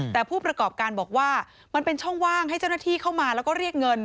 แต่ผู้ประกอบการบอกว่ามันเป็นช่องว่างให้เจ้าหน้าที่เข้ามาแล้วก็เรียกเงิน